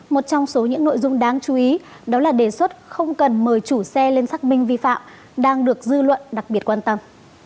một trong số những nội dung đáng chú ý đó là đề xuất không cần mời chủ xe lên xác minh vi phạm đang được dư luận đặc biệt quan tâm